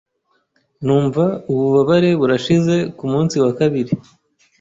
numva ububabare burashize ku munsi wa kabiri